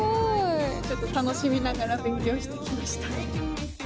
ちょっと楽しみながら勉強して来ました。